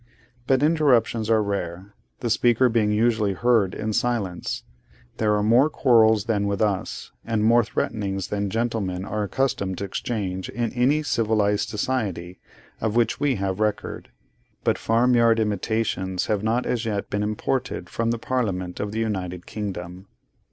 But interruptions are rare; the speaker being usually heard in silence. There are more quarrels than with us, and more threatenings than gentlemen are accustomed to exchange in any civilised society of which we have record: but farm yard imitations have not as yet been imported from the Parliament of the United Kingdom.